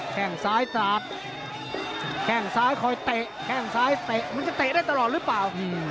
แข่งซ้ายเตะมันจะเตะได้ตลอดหรือเปล่า